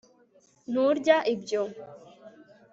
nturya ibyo